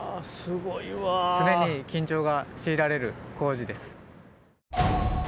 常に緊張が強いられる工事です。